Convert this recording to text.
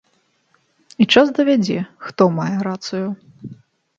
І час давядзе, хто мае рацыю.